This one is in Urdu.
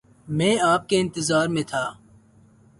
میں آپ کے انتظار میں تھا